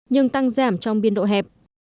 nhưng tăng giảm trong biên độ hẹp